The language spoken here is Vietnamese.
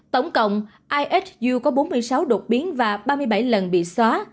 tổng cộng isu có bốn mươi sáu đột biến và ba mươi bảy lần bị xóa